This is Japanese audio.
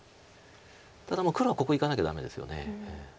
ただ黒はここいかなきゃダメですよね。